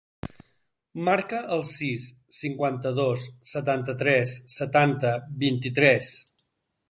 Marca el sis, cinquanta-dos, setanta-tres, setanta, vint-i-tres.